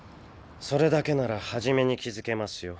それだけなら初めに気付けますよ。